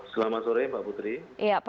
selamat sore mbak putri